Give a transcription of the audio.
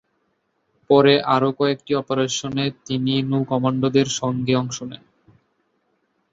পরে আরও কয়েকটি অপারেশনে তিনি নৌ-কমান্ডোদের সঙ্গে অংশ নেন।